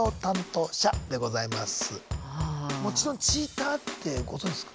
もちろんチーターってご存じですか？